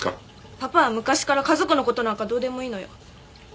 パパは昔から家族の事なんかどうでもいいのよ。